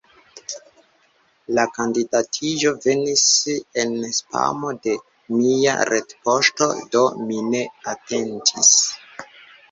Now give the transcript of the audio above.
La kandidatiĝo venis en spamo de mia retpoŝto, do mi ne atentis.